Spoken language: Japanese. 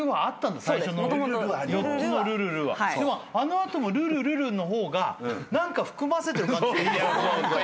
あの後も「ルルルル．．．」の方が何か含ませてる感じでいい。